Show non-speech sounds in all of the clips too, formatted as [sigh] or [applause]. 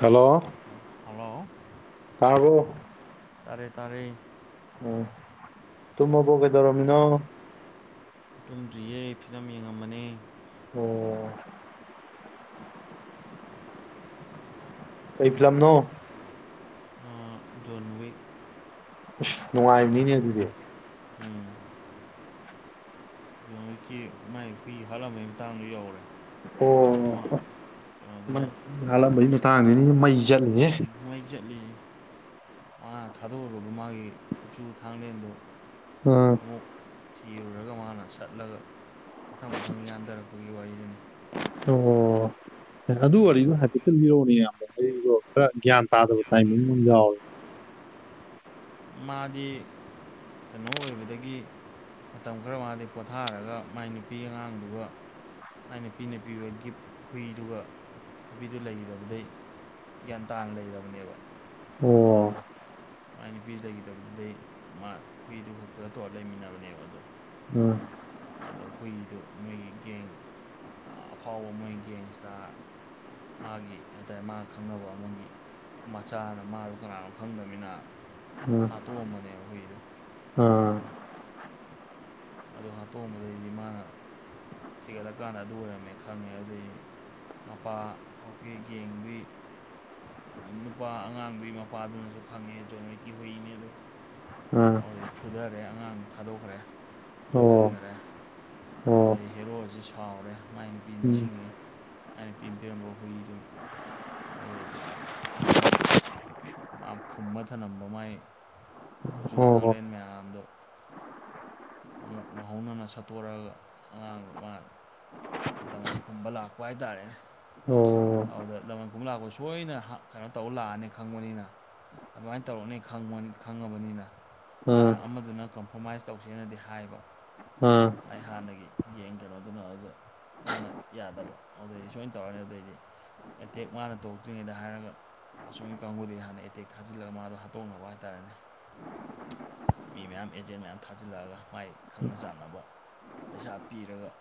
Hello hello ꯇꯥꯔꯕꯣ ꯇꯥꯔꯦ ꯇꯥꯔꯦ꯫ ꯎꯝ ꯇꯨꯝꯃꯕꯣ ꯀꯩꯗꯧꯔꯝꯃꯤꯅꯣ꯫ ꯇꯨꯝꯗ꯭ꯔꯤꯌꯦ ꯐꯤꯂꯝ ꯌꯦꯡꯉꯃꯅꯦ ꯑꯣ ꯀꯩ ꯐꯤꯂꯝꯅꯣ ꯑ ꯖꯣꯟꯋꯤꯛ꯫ ꯏꯁ ꯅꯨꯡꯉꯥꯏꯕꯅꯤꯅꯦ ꯑꯗꯨꯗꯤ꯫ ꯑꯝ ꯖꯣꯟ ꯋꯤꯛꯀꯤ ꯃꯥꯏ ꯍꯨꯏ ꯍꯥꯠꯂꯝꯕꯩ ꯃꯇꯥꯡꯗꯣ ꯌꯧꯔꯦ꯫ ꯑꯣ ꯑꯃ ꯀꯩꯅꯣꯗꯨꯅ ꯍꯥꯠꯂꯝꯕꯩ ꯃꯇꯥꯡꯗꯅꯤꯅꯦ ꯃꯩ ꯆꯠꯂꯤꯖꯦ꯫ ꯃꯩ ꯆꯠꯂꯤ ꯃꯥ ꯊꯥꯗꯣꯛꯑꯨꯔꯕ ꯃꯥꯒꯤ ꯈꯨꯆꯨ ꯊꯥꯡꯂꯦꯟꯗꯣ ꯑꯥ ꯑꯃꯨꯛ ꯊꯤꯔꯨꯔꯒ ꯃꯥꯅ ꯁꯠꯂꯒ ꯃꯊꯪ ꯃꯊꯪ ꯌꯥꯟꯊꯔꯛꯄꯒꯤ ꯋꯥꯔꯤꯗꯨꯅꯤ ꯑꯣ ꯑꯗꯨ ꯑꯣꯏꯗꯣ ꯍꯥꯏꯐꯦꯠꯇ ꯂꯤꯔꯛꯑꯣꯅꯦ ꯌꯥꯝꯗꯣ ꯈꯔ ꯒ꯭ꯌꯥꯟ ꯇꯥꯗꯕ ꯇꯥꯏꯃꯤꯡ ꯑꯃ ꯌꯥꯎꯋꯦ ꯃꯥꯗꯤ ꯀꯩꯅꯣ ꯑꯣꯏꯕꯗꯒꯤ ꯃꯇꯝ ꯈꯔ ꯃꯥꯗꯤ ꯄꯣꯊꯥꯔꯒ ꯃꯥꯏ ꯅꯨꯄꯤ ꯑꯉꯥꯡꯗꯨꯒ ꯃꯥꯏ ꯅꯨꯄꯤꯅ ꯄꯤꯕ ꯒꯤꯞ ꯍꯨꯏꯗꯨꯒ ꯅꯨꯄꯤꯗꯨ ꯂꯩꯗꯕꯗꯩ ꯒ꯭ꯌꯥꯟ ꯇꯥꯅ ꯂꯩꯔꯕꯅꯦꯕ꯫ ꯑꯣ ꯃꯥꯏ ꯅꯨꯄꯤ ꯂꯩꯒꯤꯗꯕꯗꯨꯗꯩ ꯃꯥ ꯍꯨꯏꯗꯨ ꯈꯛꯇ ꯇꯧꯔ ꯂꯩꯃꯤꯟꯅꯕꯅꯦꯕ ꯑꯗꯣ ꯎꯝ꯫ ꯑꯗꯣ ꯍꯨꯏꯗꯨ ꯃꯣꯏꯒꯤ ꯒꯦꯡ ꯑꯐꯥꯎꯕ ꯃꯣꯏ ꯒꯦꯡꯏꯁꯇꯥꯔ ꯃꯥꯒꯤ ꯍꯥꯏꯇꯥꯔꯦ ꯃꯥꯅ ꯈꯪꯅꯕ ꯑꯃꯒꯤ ꯃꯆꯥꯅ ꯃꯥꯗꯨ ꯀꯅꯥꯅꯣ ꯈꯪꯗꯕꯅꯤꯅ ꯑꯥ ꯑꯥ ꯍꯥꯠꯇꯣꯛꯑꯝꯕꯅꯦ ꯍꯨꯏꯗꯣ꯫ ꯑꯥ ꯑꯗꯨꯗ ꯍꯥꯇꯣꯡꯝꯕꯗꯩꯗꯤ ꯃꯥꯅ ꯊꯤꯒꯠꯂꯀꯥꯟꯗ ꯑꯗꯨ ꯑꯣꯏꯔꯝꯃꯦ ꯈꯪꯉꯦ ꯑꯗꯨꯗꯩꯗꯤ ꯃꯄꯥ ꯍꯧꯖꯤꯛꯒꯤ ꯒꯦꯡꯗꯨꯒꯤ ꯅꯨꯄꯥ ꯑꯉꯥꯡꯗꯨꯒꯤ ꯃꯄꯥꯗꯨꯅꯁꯨ ꯈꯪꯉꯦ ꯖꯣꯟꯋꯤꯛꯀꯤ ꯍꯨꯏꯅꯤꯗꯨ ꯑꯗꯨꯗꯩ ꯐꯨꯗꯔꯦ ꯑꯉꯥꯡꯗꯣ ꯊꯥꯗꯣꯛꯈ꯭ꯔꯦ ꯑꯣ ꯑꯣ ꯂꯣꯠꯍꯟꯈꯔꯦ꯫ ꯑꯗꯩ ꯍꯦꯔꯣꯁꯤ ꯁꯥꯎꯔꯦ ꯃꯥꯏ ꯅꯨꯄꯤ ꯎꯝ ꯅꯤꯡꯁꯤꯡꯉꯦ ꯃꯥꯏ ꯅꯨꯄꯤꯅ ꯄꯤꯔꯝꯕ ꯍꯨꯏꯗꯣ ꯑꯗꯨꯗꯩꯗꯤ ꯃꯥꯒꯤ ꯃꯥ ꯐꯨꯝꯕ ꯊꯂꯝꯝꯕ ꯃꯥꯥꯏ ꯀꯨꯆꯨ ꯑꯣ ꯊꯥꯡꯂꯦꯟ ꯃꯌꯥꯝꯗꯣ꯫ ꯑꯃꯨꯛ ꯅꯧꯍꯧꯅꯅ ꯁꯠꯇꯣꯔꯛꯑꯒ ꯑꯉꯥꯡꯗꯨ ꯃꯥ ꯂꯃꯟ ꯈꯨꯝꯕ ꯂꯥꯛꯄ ꯍꯥꯏꯇꯥꯔꯦꯅꯦ꯫ ꯑꯣ ꯑꯗꯨꯗ ꯂꯃꯟ ꯈꯨꯝꯕ ꯂꯥꯛꯄ ꯁꯣꯏꯅ ꯍꯥ ꯀꯩꯅꯣ ꯇꯧꯕ ꯂꯥꯛꯑꯅꯤ ꯈꯪꯕꯅꯤꯅ ꯑꯗꯨꯃꯥꯏꯅ ꯇꯧꯔꯛꯅꯦ ꯈꯪꯉꯕꯅꯤꯅ ꯑꯥ ꯃꯥꯅ ꯑꯃꯗꯨꯅ ꯀꯝꯄ꯭ꯔꯣꯃꯥꯏꯁ ꯇꯧꯁꯦꯅꯗꯤ ꯍꯥꯏꯕ ꯑꯥ ꯃꯥꯏ ꯍꯥꯟꯅꯒꯤ ꯒꯦꯡ ꯀꯩꯅꯣꯗꯨꯅ ꯑꯗꯨꯗ ꯃꯥꯅ ꯌꯥꯗꯕ ꯑꯗꯨꯗꯩꯗꯤ ꯁꯣꯏꯅ ꯇꯧꯔꯅꯤ ꯑꯗꯨꯗꯩꯗꯤ ꯑꯦꯇꯦꯛ ꯃꯥꯅ ꯇꯣꯛꯇ꯭ꯔꯤꯉꯩꯗ ꯍꯥꯏꯔꯒ ꯑꯁꯣꯝꯒꯤ ꯀꯥꯡꯕꯨꯗꯒꯤ ꯍꯥꯟꯅ ꯑꯦꯇꯦꯛ ꯊꯥꯖꯤꯜꯂꯒ ꯃꯥꯗꯣ ꯍꯥꯠꯇꯣꯛꯅꯕ ꯍꯥꯏꯇꯥꯔꯦꯅꯦ ꯃꯤ ꯃꯌꯥꯝ ꯑꯦꯖꯦꯟ ꯃꯌꯥꯝ ꯊꯥꯖꯤꯜꯂꯛꯑꯒ ꯃꯥꯏ ꯈꯪꯅ ꯆꯥꯟꯅꯕ ꯄꯩꯁꯥ ꯄꯤꯔꯒ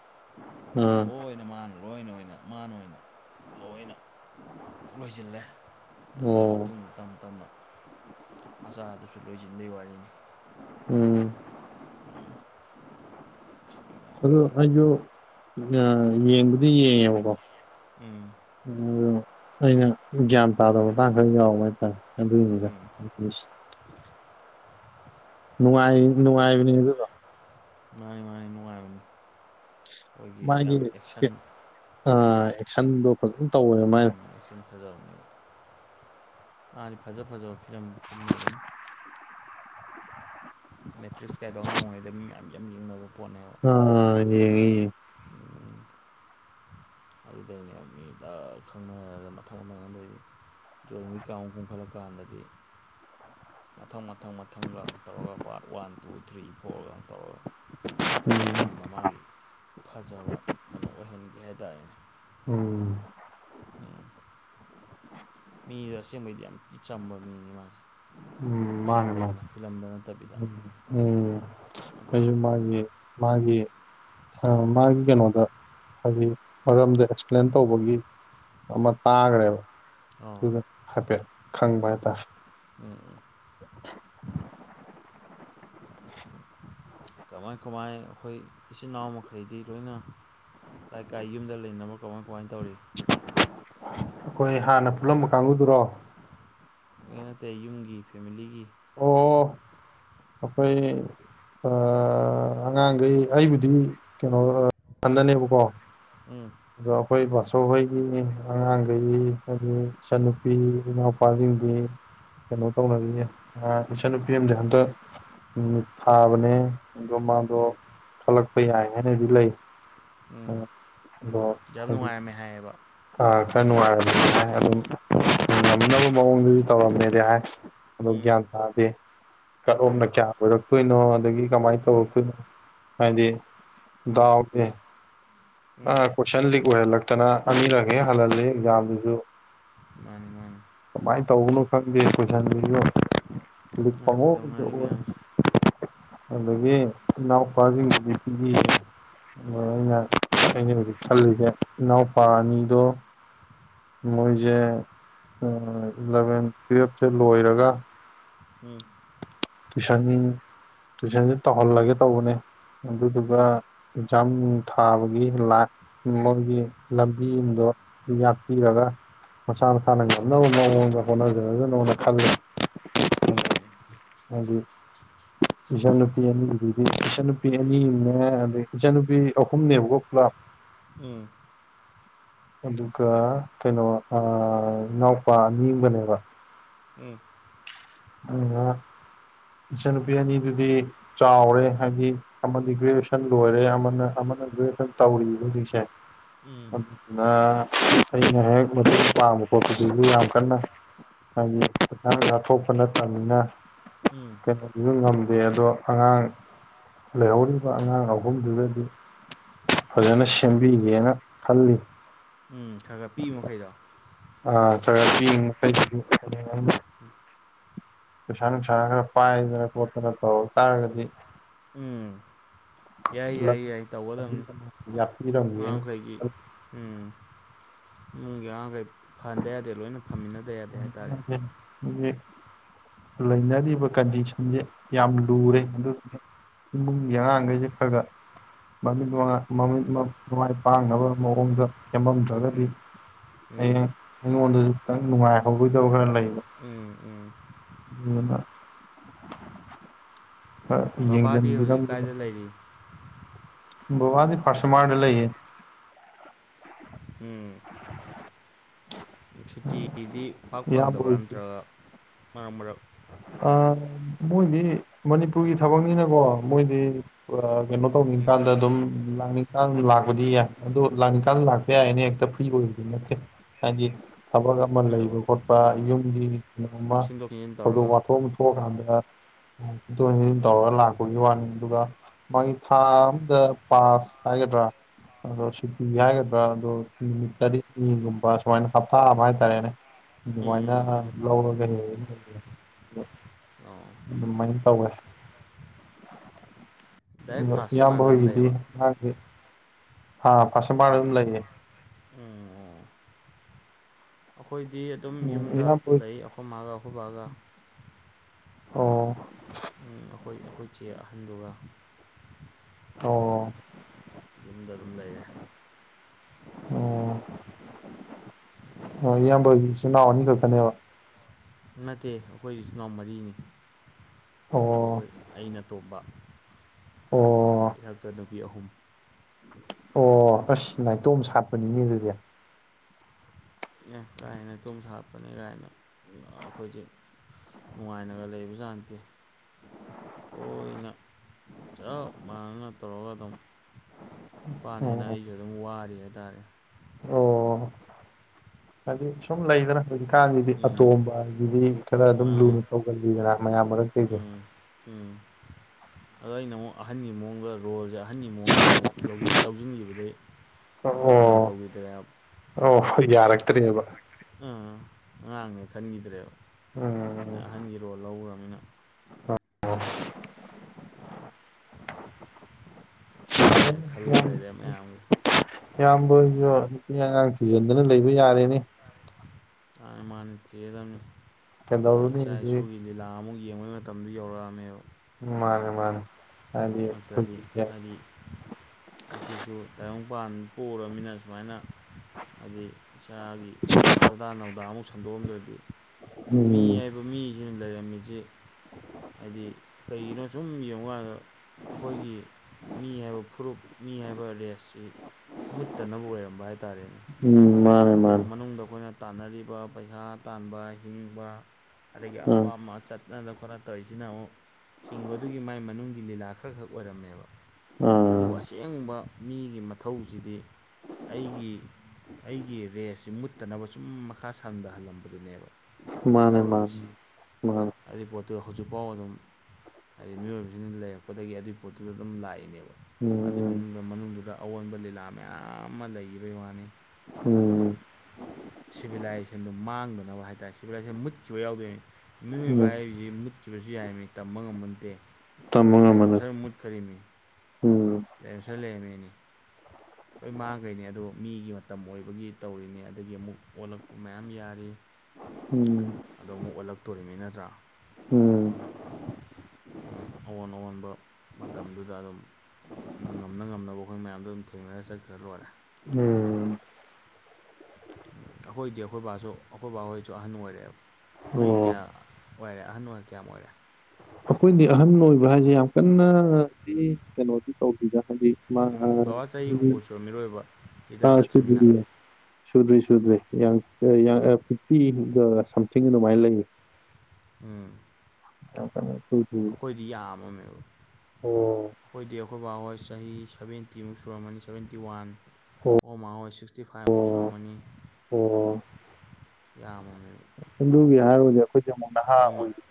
ꯑꯗꯣ ꯑꯥ ꯂꯣꯏꯅ ꯃꯥꯅ ꯂꯣꯏꯅ ꯑꯣꯏꯅ ꯃꯥꯅ ꯑꯣꯏꯅ ꯂꯣꯏꯅ ꯂꯣꯏꯖꯤꯜꯂꯦ ꯑꯣ ꯂꯣꯏꯖꯤꯜꯂ ꯃꯇꯨꯡꯗ ꯇꯞ ꯇꯞꯅ ꯃꯆꯥ ꯗꯨꯁꯨ ꯂꯣꯏꯁꯤꯟꯕꯩ ꯋꯥꯔꯤꯅꯤ ꯎꯝ ꯎꯝ ꯑꯗꯨ ꯑꯩꯁꯨ ꯑ ꯌꯦꯡꯕꯨꯗꯤ ꯌꯦꯡꯉꯦꯕꯀꯣ ꯎꯝ ꯑꯣ ꯑꯩꯅ ꯒ꯭ꯌꯥꯟ ꯇꯥꯗꯕ ꯃꯇꯥꯡ ꯈꯔ ꯌꯥꯎꯕ ꯍꯥꯏꯇꯥꯔꯦ ꯑꯗꯨꯒꯤꯅꯤꯗ ꯅꯨꯡꯉꯥꯏ ꯅꯨꯡꯉꯥꯏꯕꯅꯤ ꯃꯥꯅꯤ ꯃꯥꯅꯤ ꯅꯨꯡꯉꯥꯏꯕꯅꯤ ꯑꯩꯈꯣꯏꯒꯤ ꯃꯥꯒꯤ ꯌꯥꯝ ꯑꯦꯛ ꯑꯦꯛꯁꯟ ꯑꯦꯛꯁꯟꯗꯣ ꯐꯖꯅ ꯇꯧꯋꯦ ꯃꯥꯥꯏꯗꯣ꯫ ꯐꯦꯖꯥꯎꯅꯤ ꯃꯥꯗꯤ ꯐꯖ ꯐꯖꯕ ꯐꯤꯂꯝ ꯀꯨꯝꯃꯦ ꯑꯗꯨꯝ꯫ ꯃꯦꯇ꯭ꯔꯤꯛꯁ ꯀꯥꯏꯗꯣ ꯑꯉꯥꯡ ꯑꯣꯏꯔꯤꯉꯩꯗ ꯃꯤ ꯃꯌꯥꯝ ꯌꯥꯝ ꯌꯦꯡꯅꯕ ꯄꯣꯠꯅꯦꯕ ꯑ ꯌꯦꯡꯉꯤ꯫ ꯎꯝ ꯑꯗꯨꯗꯩꯅꯦꯕ ꯃꯤꯗ ꯈꯪꯅꯔꯒ ꯃꯊꯪ ꯃꯊꯪ ꯑꯗꯩꯗꯤ꯫ ꯌꯖꯣꯟꯒꯤ ꯀꯥꯡ ꯀꯨꯝꯈꯠꯂꯛ ꯀꯥꯟꯗꯗꯤ ꯃꯊꯪ ꯃꯊꯪ ꯃꯊꯪꯒ ꯇꯧꯔꯒ ꯄꯥꯔꯠ ꯋꯥꯟ ꯇꯨ ꯊ꯭ꯔꯤ ꯐꯣꯔꯒ ꯇꯧꯔꯒ꯫ ꯌꯥꯝꯅ ꯃꯥꯒꯤ ꯐꯖꯕ ꯀꯩꯅꯣ ꯑꯣꯏꯍꯟꯒꯦ ꯍꯥꯏ ꯇꯥꯔꯦꯅꯦ ꯎꯝ ꯎꯝ꯫ ꯃꯤꯁ ꯑꯁꯦꯡꯕꯩꯗꯤ ꯌꯥꯝꯇꯤ ꯆꯝꯕ ꯃꯤꯅꯤ ꯃꯥꯁꯦ ꯎꯝ ꯃꯥꯅꯦ ꯑꯁꯦꯡꯕ ꯃꯥꯅꯦ ꯑꯣꯏꯅ ꯐꯤꯂꯝꯗ ꯅꯠꯇꯕꯤꯗ꯫ ꯎꯝ ꯑ ꯑꯩꯖꯨ ꯃꯥꯒꯤ꯫ ꯃꯥꯒꯤ ꯃꯥꯒꯤ ꯀꯩꯅꯣꯗ ꯍꯥꯏꯗꯤ ꯃꯔꯝꯗ ꯑꯦꯛꯁꯄ꯭ꯂꯦꯟ ꯇꯧꯕꯒꯤ ꯑꯃ ꯎꯝ ꯇꯥꯒ꯭ꯔꯦꯕ ꯑꯥ ꯑꯗꯨꯗ ꯍꯥꯏꯐꯦꯠ ꯈꯪꯕ ꯍꯥꯏꯇꯥꯔꯦ꯫ ꯑꯣꯥ ꯑꯥ ꯀꯃꯥꯏ ꯀꯃꯥꯏ ꯑꯩꯈꯣꯏ ꯏꯆꯤꯟ ꯅꯥꯎ ꯃꯈꯩꯗꯤ ꯂꯣꯏꯅ ꯀꯥꯏ ꯀꯥꯏ ꯌꯨꯝꯗ ꯂꯩꯅꯕ ꯀꯃꯥꯏ ꯀꯃꯥꯏ ꯇꯧꯔꯤ꯫ ꯑꯩꯈꯣꯏ ꯍꯥꯟꯅ ꯄꯨꯜꯂꯝꯕ ꯀꯥꯡꯕꯨꯗꯨꯔꯣ ꯅꯠꯇꯦ ꯌꯨꯝꯒꯤ ꯐꯦꯝꯃꯤꯂꯤꯒꯤ꯫ ꯑꯣ ꯑꯩꯈꯣꯏ ꯑ ꯑꯉꯥꯡꯒꯩ ꯑꯩꯕꯨꯗꯤ ꯀꯩꯅꯣ ꯏꯊꯟꯗꯅꯦꯕꯀꯣ꯫ [unintelligible] ꯎꯝ꯫ ꯑꯗꯣ ꯑꯩꯈꯣꯏ ꯕꯥꯁꯧꯈꯩꯒꯤ ꯑꯉꯥꯡꯈꯩꯒꯤ ꯍꯥꯏꯗꯤ ꯏꯆꯟꯅꯨꯄꯤ ꯏꯅꯥꯎꯄꯥꯁꯤꯡꯗꯤ ꯀꯩꯅꯣ ꯇꯧꯅꯔꯤꯌꯦ ꯎꯝ ꯑ ꯄꯁꯥ ꯅꯨ ꯄꯤꯦꯝꯗ ꯊꯥꯕꯅꯦ ꯑꯗꯣ ꯃꯥꯗꯣ ꯎꯝ ꯊꯣꯛꯂꯛꯄ ꯌꯥꯏ ꯍꯥꯏꯅꯗꯤ ꯂꯩ ꯎꯝ ꯑꯗꯣ ꯌꯥꯝ ꯅꯨꯡꯉꯥꯏꯔꯝꯃꯦ ꯍꯥꯏꯌꯦꯕ ꯑ ꯈꯔ ꯅꯨꯡꯉꯥꯏꯔꯝꯃꯦ ꯍꯥꯏ ꯑꯗꯨꯝ ꯉꯝꯅꯕ ꯃꯑꯣꯡꯗꯨꯗꯤ ꯇꯧꯔꯝꯃꯦꯗꯤ ꯍꯥꯏ ꯑ ꯎꯝ ꯒ꯭ꯌꯥꯟ ꯇꯥꯗꯦ ꯎꯝ ꯀꯔꯣꯝꯅ ꯀꯌꯥ ꯑꯣꯏꯔꯛꯇꯣꯏꯅꯣ ꯑꯗꯒꯤ ꯀꯃꯥꯏꯅ ꯎꯝ ꯇꯧꯔꯛꯇꯣꯏꯅꯣ ꯍꯥꯏꯗꯤ ꯎꯝ ꯗꯥꯎ ꯖꯦ ꯎꯝ ꯀꯣꯏꯁꯟ ꯂꯤꯛ ꯑꯣꯏꯍꯜꯂꯛꯇꯅ ꯄꯤꯔꯒꯦ ꯍꯜꯜꯂ ꯑꯦꯛꯖꯥꯝꯗꯨꯁꯨ ꯃꯥꯅꯤ ꯃꯥꯅꯤ ꯀꯃꯥꯏꯅ ꯇꯧꯕꯅꯣ ꯈꯪꯗꯦ ꯀꯣꯏꯁꯟꯁꯨ ꯍꯧꯛ ꯃꯥꯅꯤ ꯇꯧꯅꯔꯤ ꯐꯪꯉ ꯃꯌꯥꯝꯁꯦ ꯑꯗꯒꯤ ꯏꯅꯥꯎꯄꯥꯁꯤꯡꯁꯤꯗꯤ ꯄꯤꯕꯤ ꯑ ꯑꯩꯅ ꯑꯩꯅ ꯍꯧꯖꯤꯛ ꯈꯜꯂꯤꯁꯦ ꯏꯅꯥꯎꯄꯥ ꯑꯅꯤꯗꯣ ꯃꯣꯏꯁꯦ ꯑ ꯏꯂꯚꯦꯟ ꯇꯨꯋꯦꯜꯐ ꯇꯤ ꯂꯣꯏꯔꯒ ꯎꯝ ꯇꯨꯏꯁꯟ ꯇꯨꯏꯁꯟꯁꯤ ꯇꯧꯍꯜꯂꯒꯦ ꯇꯧꯕꯅꯦ ꯑꯗꯨꯗꯨꯒ ꯎꯝ ꯑꯦꯛꯖꯥꯝ ꯒꯨꯝꯕ ꯊꯥꯕꯒꯤ ꯂꯥꯛ ꯃꯣꯏꯒꯤ ꯂꯝꯕꯤꯗꯣ ꯌꯥꯠꯄꯤꯔꯒ ꯃꯁꯥ ꯃꯁꯥꯅ ꯉꯝꯅꯕ ꯃꯑꯣꯡꯗ ꯍꯣꯠꯅꯖꯔꯖꯅꫭ ꯅ ꯈꯜꯂ‌ꯦ꯫ ꯎꯝ꯫ ꯍꯥꯏꯗꯤ꯫ ꯏꯆꯟꯅꯨꯄꯤ ꯑꯅꯤꯗꯨꯗꯤ ꯏꯆꯟꯅꯨꯄꯤ ꯑꯅꯤꯅꯦ ꯑꯗꯩ ꯏꯆꯟꯅꯨꯄꯤ ꯑꯍꯨꯝꯅꯦꯕꯀꯣ ꯄꯨꯂꯞ꯫ ꯎꯝ꯫ ꯑꯗꯨꯒ ꯀꯩꯅꯣ ꯏꯅꯥꯎꯄꯥ ꯑꯅꯤꯝꯒꯅꯦꯕ꯫ ꯎꯝ꯫ ꯏꯆꯟꯅꯨꯄꯤ ꯑꯅꯤꯗꯨꯗꯤ ꯆꯥꯎꯔꯦ ꯍꯥꯏꯗꯤ ꯑꯃꯗꯤ ꯒ꯭ꯔꯦꯖꯣꯁꯟ꯫ ꯂꯣꯏꯔꯦ ꯑꯃꯅ ꯑꯃꯅ ꯒꯦꯖꯣꯁꯟ ꯇꯧꯔꯤꯑꯦꯕ ꯍꯧꯖꯤꯛꯁꯦ꯫ ꯎꯝ ꯑꯗꯨꯗꯨꯅ ꯑꯩꯅ ꯍꯦꯛ ꯃꯇꯦꯡ ꯄꯥꯡꯕ ꯈꯣꯠꯄꯗꯨꯁꯨ ꯌꯥꯝ ꯀꯟꯅ꯫ ꯍꯥꯏꯗꯤ ꯎꯝ ꯄꯩꯁꯥ ꯅꯨꯡꯁꯥ ꯊꯣꯛꯄ ꯅꯠꯇꯝꯅꯤꯅ꯫ ꯎꯝ꯫ ꯉꯝꯗꯦ ꯑꯗꯣ꯫ ꯑꯉꯥꯡ ꯂꯩꯍꯧꯔꯤꯕ ꯑꯉꯥꯡ ꯑꯍꯨꯝꯗꯨꯅꯗꯤ꯫ ꯎꯝ ꯈꯔ ꯈꯔ ꯄꯤꯌ ꯃꯈꯩꯗꯣ꯫ ꯑ [unintelligible] ꯄꯩꯁꯥ ꯅꯨꯡꯁꯥ ꯈꯔ ꯄꯥꯏꯗꯅ ꯈꯣꯠꯇꯅ ꯇꯧꯔꯛ ꯇꯥꯔꯒꯗꯤ꯫ ꯎꯝ ꯌꯥꯏ ꯌꯥꯏ ꯌꯥꯏ ꯇꯧꯒꯗꯕꯅꯤ ꯌꯥꯠꯄꯤꯔꯝꯒꯦꯅ ꯑꯉꯥꯡꯈꯩꯒꯤ꯫ ꯎꯝ ꯏꯃꯨꯡꯒꯤ ꯑꯉꯥꯡꯈꯩ ꯐꯍꯟꯗ ꯌꯥꯗꯦ ꯂꯣꯏꯅ ꯐꯝꯃꯤꯟꯅꯗ꯫ ꯌꯥꯗꯦ ꯍꯥꯏꯇꯥꯔꯦꯅꯦ ꯍꯧꯖꯤꯛ ꯂꯩꯅꯔꯤꯕ ꯀꯟꯗꯤꯁꯟꯁꯦ꯫ ꯌꯥꯝ ꯂꯨꯔꯦ ꯎꯝ ꯑꯗꯨꯗꯨ ꯏꯃꯨꯡꯒꯤ ꯑꯉꯥꯡꯈꯩꯁꯦ ꯈꯔꯒ꯫ ꯃꯃꯤꯠ ꯃꯃꯤꯠ ꯃꯥꯏ ꯄꯥꯛꯅꯕ ꯃꯑꯣꯡꯗ ꯁꯦꯝꯃꯝꯗ꯭ꯔꯒꯗꯤ꯫ ꯎꯝ ꯎꯝ ꯍꯌꯦꯡ ꯑꯩꯉꯣꯟꯗꯁꯨ ꯈꯤꯇꯪ ꯅꯨꯡꯉꯥꯏꯍꯧꯔꯣꯏꯗꯕ ꯈꯔ ꯂꯩꯕ꯫ ꯎꯝ ꯎꯝ꯫ [inaudible] ꯈꯔ ꯕꯕꯥꯗꯤ ꯍꯧꯖꯤꯛ ꯌꯦꯡꯁꯤꯟꯕꯤꯔꯝꯕꯅ ꯀꯥꯏꯗ ꯂꯩꯔꯤ꯫ ꯕꯕꯥ ꯐꯔꯁ ꯃꯥꯔ ꯂꯩꯌꯦ꯫ ꯎꯝ ꯁꯨꯇꯤꯒꯤꯗꯤ꯫ ꯄꯥꯛ ꯏꯌꯥꯝꯕ ꯐꯪꯗꯕ꯭ꯔꯥ ꯍꯣꯏꯗꯤ ꯅꯠꯇ꯭ꯔꯒ ꯃꯔꯛ ꯃꯔꯛ꯫ ꯃꯣꯏꯗꯤ ꯃꯅꯤꯄꯨꯔꯒꯤ ꯊꯕꯛꯅꯤꯅꯀꯣ ꯃꯣꯏꯗꯤ꯫ ꯑꯣ ꯀꯩꯅꯣ ꯇꯧꯅꯤꯡ ꯎꯝ ꯀꯥꯟꯗ ꯑꯗꯨꯝ ꯂꯥꯛꯅꯤꯡ꯫ ꯀꯥꯟ ꯂꯥꯛꯄꯗꯤ ꯌꯥꯏ ꯑꯗꯣ ꯂꯥꯛꯅꯤꯀꯥꯟꯗ ꯂꯥꯛꯄ ꯌꯥꯏꯅꯦ ꯍꯦꯛꯇ ꯐ꯭ꯔꯤꯔꯤꯕ ꯑꯣꯏꯕꯗꯤ ꯅꯠꯇꯦ꯫ ꯍꯥꯏꯗꯤ ꯊꯕꯛ ꯑꯃ ꯅꯠꯇꯕ ꯂꯩꯕ ꯈꯣꯠꯄ ꯎꯝ ꯌꯨꯝꯒꯤ ꯎꯝ ꯀꯩꯅꯣꯝꯃ꯫ ꯁꯤꯟꯗꯣꯛ ꯁꯤꯟꯖꯤꯟ ꯊꯧꯗꯣꯛ ꯇꯧꯔꯒ ꯋꯥꯊꯣꯛ ꯑꯃ ꯊꯣꯛꯑꯀꯥꯟꯗ꯫ ꯑꯣꯟꯊꯣꯛ ꯑꯣꯟꯁꯤꯟ ꯎꯝ ꯇꯧꯔꯒ ꯂꯥꯛꯄꯒꯤ ꯋꯥꯅꯤ ꯑꯗꯨꯒ ꯃꯥꯒꯤ ꯊꯥ ꯎꯝ ꯑꯃꯗ ꯄꯥꯁ꯫ ꯍꯥꯏꯒꯗ꯭ꯔꯥ ꯑꯗꯣ ꯁꯨꯇꯤ ꯎꯝ ꯍꯥꯏꯒꯗ꯭ꯔꯥ ꯑꯗꯣ ꯇꯔꯦꯠꯅꯤꯒꯨꯝꯕ꯫ ꯁꯃꯥꯏꯅ ꯍꯞꯊꯥꯕ ꯍꯥꯏꯇꯥꯔꯦꯅꯦ ꯎꯝ ꯑꯗꯨꯃꯥꯏꯅ ꯎꯝ ꯎꯝ ꯂꯧꯔꯒ꯫ ꯑꯣ ꯑꯗꯨꯃꯥꯏꯅ ꯇꯧꯋꯦ꯫ ꯗꯥꯏꯔꯦꯛ ꯑꯗꯨꯒ ꯐꯥꯔꯁ ꯑꯦꯝ ꯏꯌꯥꯝꯕ ꯑꯥꯔꯗ ꯑꯗꯨꯝ ꯍꯣꯏꯈꯤꯗꯤ꯫ ꯂꯩꯕ ꯑ ꯐꯁ ꯑꯦꯃꯔꯗ ꯑꯗꯨꯝ ꯂꯩꯌꯦ ꯎꯝ ꯎꯝ꯫ ꯑꯩꯈꯣꯏꯗꯤ ꯑꯗꯨꯝ ꯎꯝ ꯌꯨꯝꯗ ꯏꯌꯥꯝꯕ ꯍꯣꯏ ꯂꯩ ꯑꯩꯈꯣꯏ ꯃꯥꯒ ꯑꯩꯈꯣꯏ ꯕꯥꯒ꯫ ꯑꯣ ꯑꯩꯈꯣꯏ ꯑꯩꯈꯣꯏ ꯆꯦ ꯑꯍꯟꯗꯨꯒ꯫ ꯑꯣ ꯌꯨꯝꯗ ꯑꯗꯨꯝ ꯂꯩꯔꯦ꯫ ꯑꯣꯝ ꯏꯌꯥꯝꯕꯒꯤꯁꯨꯅꯥꯎ ꯑꯅꯤ ꯈꯛꯇꯅꯦꯕ꯫ ꯅꯠꯇꯦ ꯑꯩꯈꯣꯏ ꯏꯆꯤꯜ ꯏꯅꯥꯎ ꯃꯔꯤꯅꯤ꯫ ꯑꯣ꯫ ꯍꯣꯏ ꯑꯩꯅ ꯇꯣꯝꯕ꯫ ꯑꯣ꯫ ꯑꯩꯊꯛꯇ ꯅꯨꯄꯤ ꯑꯍꯨꯝ꯫ ꯑꯣ ꯑꯁ ꯅꯥꯏꯇꯣꯝ ꯁꯥꯠꯄꯅꯤꯅꯦ ꯑꯗꯨꯗꯤ꯫ ꯑꯦ ꯀꯥꯏ ꯅꯥꯏꯇꯣꯝ ꯁꯥꯠꯄꯅꯦ ꯀꯥꯏꯅ ꯑꯣ ꯑꯩꯈꯣꯏꯗꯤ ꯅꯨꯡꯉꯥꯏꯅꯒ ꯂꯩꯕꯖꯠ ꯅꯠꯇꯦ ꯂꯣꯏꯅ ꯆꯞ ꯃꯥꯟꯅ ꯇꯔꯒꯗꯨꯝ ꯅꯨꯄꯥꯅꯦꯅ ꯑꯣ ꯑꯩꯁꯨ ꯑꯗꯨꯝ ꯋꯥꯔꯤ ꯍꯥꯏꯇꯥꯔꯦ ꯑꯣ ꯍꯥꯏꯗꯤ ꯁꯨꯝ ꯂꯩꯗꯅꯥ ꯍꯧꯖꯤꯛꯀꯥꯟꯒꯤꯗꯤ ꯎꯝ ꯑꯇꯣꯝꯕꯒꯤꯗꯤ ꯈꯔ ꯑꯗꯨꯝ ꯃꯥꯅꯦ ꯂꯨꯅ ꯇꯧꯒꯜꯂꯤꯗꯅ ꯃꯌꯥꯝ ꯃꯔꯛ ꯇꯒꯤ ꯎꯝ ꯎꯝ ꯑꯗꯣ ꯑꯩꯅ ꯑꯃꯨꯛ ꯑꯍꯟꯒꯤ ꯃꯑꯣꯡꯗ ꯔꯣꯜꯖꯦ ꯑꯍꯟꯒꯤ ꯃꯑꯣꯡꯗ ꯑꯣꯏꯅ ꯂꯧꯖꯤꯟ ꯂꯧꯖꯤꯟꯈꯤꯕꯗꯒꯤ ꯑꯩ ꯂꯨꯅ ꯑꯣ ꯇꯧꯈꯤꯗ꯭ꯔꯦꯕ ꯑꯣ ꯌꯥꯔꯛ ꯌꯥꯔꯛꯇꯔꯦ ꯑꯥ ꯑꯉꯥꯡꯅꯦ ꯈꯟꯈꯤꯗ꯭ꯔꯦꯕ ꯎꯝ ꯑꯍꯟꯒꯤ ꯔꯣꯜ ꯂꯧꯔꯕꯅꯤꯅ ꯎꯝ ꯑꯩꯅ ꯑꯣꯏꯅ ꯈꯜꯂ ꯌꯥꯔꯦꯅꯦ ꯂꯩꯔꯦ ꯌꯥꯝ ꯃꯌꯥꯝꯒꯤ ꯏꯌꯥꯝꯕ ꯍꯣꯏꯁꯨ ꯅꯨꯄꯤ ꯑꯉꯥꯡ ꯊꯤꯖꯤꯟꯗꯅ ꯂꯩꯕ ꯌꯥꯔꯦꯅꯦ ꯃꯥꯅꯦ ꯃꯥꯅꯤ ꯊꯤꯔꯗꯕꯅꯦ ꯑꯩ ꯀꯩꯗꯧꯔꯨꯅꯤ ꯏꯆꯥ ꯍꯧꯖꯤꯛ ꯏꯁꯨꯒꯤ ꯂꯤꯂꯥ ꯑꯃꯨꯛ ꯌꯦꯡꯕꯩ ꯃꯇꯝꯗꯨ ꯌꯧꯔꯛꯑꯝꯃꯦꯕ ꯃꯥꯅꯦ ꯃꯥꯅꯦ ꯍꯥꯏꯗꯤ ꯅꯠꯇ꯭ꯔꯗꯤ ꯍꯧꯖꯤꯛꯁꯦ ꯍꯥꯏꯗꯤ ꯃꯁꯤꯁꯨ ꯇꯥꯏꯕꯪꯄꯥꯟ ꯄꯣꯛꯎꯨꯔꯕꯅꯤꯅ ꯁꯨꯃꯥꯏꯅ ꯍꯥꯏꯗꯤ ꯏꯁꯥꯒꯤ ꯆꯧꯗ ꯆꯥꯗꯥ ꯅꯥꯎꯗꯥ ꯑꯃꯨꯛ ꯁꯟꯗꯣꯛꯑꯝꯗ꯭ꯔꯗꯤ ꯃꯤ ꯎꯝ ꯍꯥꯏ ꯃꯤꯁꯤꯅ ꯂꯩꯔꯝꯃꯤꯁꯤ ꯍꯥꯏꯗꯤ ꯀꯩꯒꯤꯅꯣ ꯁꯨꯝ ꯌꯦꯡꯉꯨ ꯀꯥꯟꯗ ꯑꯩꯈꯣꯏꯒꯤ ꯃꯤ ꯍꯥꯏꯕ ꯐꯨꯔꯨꯞ ꯃꯤ ꯍꯥꯏꯕ ꯔꯦꯁꯁꯤ ꯃꯨꯠꯇꯅꯕ ꯑꯣꯏꯔꯝꯕ ꯍꯥꯏꯇꯥꯔꯦꯅꯦ ꯎꯝ ꯃꯥꯅꯦ ꯑꯗꯨꯒ ꯃꯥꯅꯦ ꯃꯅꯨꯡꯗ ꯑꯩꯈꯣꯏꯅ ꯇꯥꯟꯅꯔꯤꯕ ꯄꯩꯁꯥ ꯇꯥꯟꯕ ꯍꯤꯡꯕ ꯑꯗꯒꯤ ꯑꯥ ꯑꯃ ꯑꯃꯥ ꯆꯠꯅꯗ ꯈꯣꯠꯅ ꯇꯧꯔꯤꯁꯤꯅ ꯑꯃꯨꯛ ꯍꯤꯡꯕꯗꯨꯒꯤ ꯃꯥꯏ ꯃꯅꯨꯡꯒꯤ ꯂꯤꯂꯥ ꯈꯔꯈꯛ ꯑꯣꯏꯔꯝꯃꯦꯕ ꯑꯥ ꯑꯗꯨꯕꯨ ꯑꯁꯦꯡꯕ ꯃꯤꯒꯤ ꯃꯊꯧꯁꯤꯗꯤ ꯑꯩꯒꯤ ꯑꯩꯒꯤ ꯔꯦꯁꯁꯤ ꯃꯨꯠꯇꯅꯕ ꯁꯨꯝ ꯃꯈꯥ ꯁꯝꯊꯍꯜꯂꯝꯕꯗꯨꯅꯦꯕ ꯃꯥꯅꯦ ꯇꯧꯔꯝꯃꯤꯁꯦ ꯃꯥꯅꯦ ꯃꯥꯅꯦ ꯑꯗꯨꯏ ꯄꯣꯠꯇꯣ ꯍꯧꯖꯤꯛꯐꯥꯎ ꯑꯗꯨꯝ ꯍꯥꯏꯗꯤ ꯃꯤꯑꯣꯏꯕꯖꯤꯅ ꯂꯩꯔꯛꯄꯗꯒꯤ ꯑꯗꯨꯏ ꯄꯣꯠꯇꯨꯗ ꯑꯗꯨꯝ ꯂꯥꯛꯏꯅꯦꯕ ꯑꯗꯨꯏ ꯎꯝ ꯃꯅꯨꯡꯗ ꯃꯅꯨꯡꯗꯨꯗ ꯑꯑꯣꯟꯕ ꯂꯤꯂꯥ ꯃꯌꯥꯝ ꯑꯃ ꯂꯩꯒꯤꯕꯒꯤ ꯋꯥꯅꯤ ꯎꯝ ꯁꯤꯚꯤꯂꯥꯏꯖꯦꯁꯟꯗꯨ ꯃꯥꯡꯗꯅꯕ ꯍꯥꯏ ꯇꯥꯔꯦ ꯁꯤꯚꯕꯤꯂꯥꯏꯖꯦꯁꯟ ꯃꯨꯠꯈꯤꯕ ꯌꯥꯎꯗꯣꯏꯅꯤ ꯃꯤꯑꯣꯏꯕ ꯎꯝ ꯍꯥꯏꯔꯤꯁꯤ ꯃꯨꯠꯈꯤꯕꯁꯨ ꯌꯥꯏꯔꯤꯅꯦ ꯇꯝꯕ ꯉꯝꯕ ꯅꯠꯇꯦ ꯇꯝꯕ ꯉꯝꯕ ꯅꯠ ꯗꯥꯏꯅꯣꯁꯔ ꯃꯨꯠꯈꯔꯤꯃꯤ ꯎꯝ ꯗꯥꯢꯅꯣꯁꯔ ꯂꯩꯔꯝꯃꯤꯅꯦ [unintelligible] ꯂꯣꯏ ꯃꯥꯡꯈꯩꯅꯦ ꯑꯗꯣ ꯃꯤꯒꯤ ꯃꯇꯝ ꯑꯣꯏꯕꯒꯤ ꯇꯧꯔꯤꯅꯦ ꯑꯗꯒꯤ ꯑꯃꯨꯛ ꯑꯣꯜꯂꯛꯄ ꯃꯌꯥꯝ ꯌꯥꯔꯤ ꯎꯝ ꯑꯗꯣ ꯑꯃꯨꯛ ꯑꯣꯜꯂꯛꯇꯣꯔꯤꯕꯅꯤ ꯅꯠꯇ꯭ꯔꯥ ꯎꯝ ꯑꯑꯣꯟ ꯑꯑꯣꯟꯕ ꯃꯇꯝꯗꯨꯗ ꯑꯗꯨꯝ ꯉꯝꯅ ꯉꯝꯅꯕ ꯑꯩꯈꯣꯏ ꯃꯌꯥꯝꯗꯣ ꯑꯗꯨꯝ ꯊꯦꯡꯅꯔ ꯆꯠꯈ꯭ꯔ ꯂꯣꯏꯔꯦ ꯎꯝ ꯑꯩꯈꯣꯏꯗꯤ ꯑꯩꯈꯣꯏꯕꯥꯁꯨ ꯑꯩꯈꯣꯏ ꯕꯥꯍꯣꯏꯁꯨ ꯑꯍꯟ ꯑꯣꯏꯔ‌ꯦꯕ ꯅꯣꯏ ꯑꯣ ꯀꯌꯥ ꯑꯣꯏꯔꯦ ꯑꯍꯟ ꯑꯣꯏ ꯀꯌꯥꯝ ꯑꯣꯏꯔꯦ ꯑꯩꯈꯣꯏꯗꯤ ꯑꯍꯟ ꯑꯣꯏꯕ ꯍꯥꯏꯁꯦ ꯌꯥꯝ ꯀꯟꯅꯗꯤ ꯀꯩꯅꯣꯗꯤ ꯇꯧꯗꯔꯤꯗ ꯍꯥꯏꯗꯤ ꯃꯥ ꯎꯝ ꯕꯕꯥ ꯆꯍꯤ ꯍꯨꯝꯐꯨ ꯁꯨꯔꯝꯃꯤꯔꯣꯏꯕ ꯔꯤꯇꯤꯋꯥꯔ ꯇꯔꯥ ꯆꯠꯇ꯭ꯔꯤꯃꯤꯅꯥ ꯁꯨꯗ꯭ꯔꯤꯌꯦ ꯁꯨꯗ꯭ꯔꯤ ꯁꯨꯗ꯭ꯔꯤ ꯐꯤꯐꯇꯤꯒ ꯁꯝꯊꯤꯡ ꯑꯗꯨꯃꯥꯏꯅ ꯂꯩꯌꯦ ꯎꯝ [unintelligible] ꯑꯈꯣꯏꯗꯤ ꯌꯥꯝꯃꯝꯃꯦꯕ ꯑꯣ ꯑꯈꯣꯏꯗꯤ ꯑꯈꯣꯏ ꯕꯥ ꯍꯣꯏ ꯆꯍꯤ ꯁꯕꯦꯟꯇꯤꯃꯨꯛ ꯁꯨꯔꯝꯃꯅꯤ ꯁꯕꯦꯟꯇꯤ ꯋꯥꯟ ꯑꯣ ꯑꯈꯣꯢ ꯃꯥ ꯍꯣꯏ ꯁꯤꯛꯁ ꯇꯤ ꯐꯥꯏꯚ ꯃꯨꯛ ꯁꯨꯔꯝꯃꯅꯤ ꯑꯣ ꯌꯥꯝꯃꯃꯦꯕ ꯁꯑꯗꯨꯒꯤ ꯍꯥꯏꯔꯨꯔꯗꯤ ꯑꯩꯈꯣꯏꯗꯤ ꯑꯃꯨꯛ ꯅꯍꯥ ꯑꯗꯨꯅ ꯑꯣꯏꯔꯤ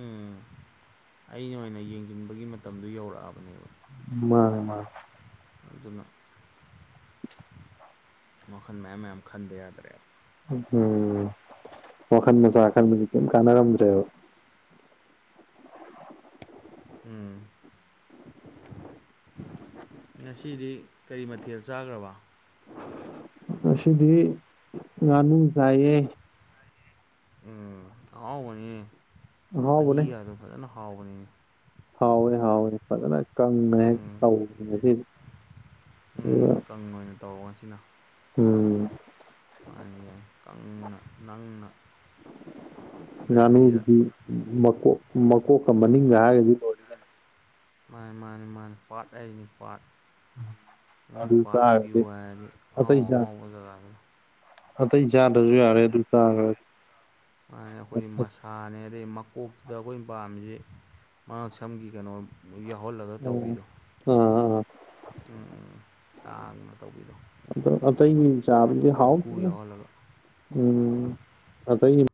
ꯎꯝ ꯑꯩꯅ ꯑꯣꯏꯅ ꯌꯦꯡꯖꯤꯟꯕꯒꯤ ꯃꯇꯝꯗꯨ ꯌꯧꯔꯛꯑꯕꯅꯦꯕ ꯃꯥꯅꯦ ꯃꯥꯅꯦ ꯑꯗꯨꯅ [inaudible] ꯋꯥꯈꯟ ꯃꯌꯥꯝ ꯃꯌꯥꯝ ꯈꯟꯗꯦ ꯌꯥꯗ꯭ꯔꯦ ꯎꯝ ꯋꯥꯈꯟ ꯃꯆꯥ ꯎꯝ ꯈꯟꯕꯗꯤ ꯀꯩꯝ ꯀꯥꯟꯅꯔꯝꯗ꯭ꯔꯦꯕ ꯎꯝ ꯉꯁꯤꯗꯤ ꯀꯔꯤ ꯃꯊꯦꯜ ꯆꯥꯒ꯭ꯔꯥꯕ ꯉꯁꯤꯗꯤ ꯉꯥꯅꯨ ꯆꯥꯏꯌꯦ ꯎꯝ ꯑꯋꯥꯎꯕꯅꯤꯅꯦ ꯑꯍꯥꯎꯕꯅꯦ ꯃꯍꯤꯒꯗꯣ ꯐꯖꯅ ꯍꯥꯎꯕꯅꯤꯅꯦ ꯍꯥꯎꯋꯦ ꯍꯥꯎꯋꯦ ꯐꯖꯅ ꯀꯪꯅ ꯍꯦꯛꯇ ꯎꯝ ꯇꯧꯕꯅꯦ ꯉꯁꯤꯗꯤ ꯎꯝ ꯑꯗꯨꯒ ꯀꯪꯅ ꯑꯣꯏꯅ ꯇꯧꯔꯕ ꯉꯁꯤꯅ ꯎꯝ ꯃꯥꯅꯦ ꯌꯥꯏ ꯀꯪꯅ ꯅꯪꯅ ꯒ꯭ꯔꯥꯕꯤꯗ ꯉꯥꯅꯨꯒꯤꯗꯤ ꯃꯀꯣꯛ ꯃꯀꯣꯛꯀ ꯃꯅꯤꯡꯒ ꯍꯥꯏꯒ꯭ꯔꯗꯤ ꯂꯣꯢ ꯃꯥꯅꯦ ꯃꯥꯅꯦ ꯃꯥꯅꯦ ꯄꯥꯔꯠ ꯍꯥꯏꯖꯤꯅꯤ ꯄꯥꯔꯠ ꯑꯗꯨ ꯄꯥꯔꯠ ꯄꯤꯌꯨ ꯆꯥꯔꯗꯤ ꯍꯥꯢꯔꯗꯤ ꯑꯇꯩ ꯑꯍꯥꯎ ꯆꯥ ꯑꯍꯥꯎꯕꯖꯒꯥꯗꯨ ꯑꯇꯩ ꯆꯥꯗꯔꯖꯨ ꯌꯥꯔꯦ ꯑꯗꯨ ꯆꯥꯒ꯭ꯔꯗꯤ ꯁꯥꯥꯅꯦ ꯑꯗꯩ ꯃꯀꯣꯛꯇꯨꯗ ꯑꯩꯈꯣꯏ ꯄꯥꯝꯃꯤꯖꯦ ꯃꯉꯛꯁꯝꯒꯤ ꯀꯩꯅꯣ ꯌꯥꯎꯍꯜꯂꯒ ꯑ ꯇꯧꯕꯤꯗꯣ ꯑꯥ ꯑꯥ ꯎꯝ ꯁꯥꯡꯅ ꯇꯧꯕꯤꯗꯣ ꯑꯗꯣ ꯑꯇꯩꯒꯤ ꯆꯥꯕꯗꯤ ꯃꯀꯨ ꯍꯥꯎꯇꯦꯗ ꯌꯥꯎꯍꯜꯂꯒ ꯎꯝ ꯑꯇꯩ